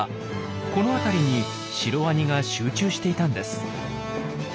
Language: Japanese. この辺りにシロワニが集中していたんです。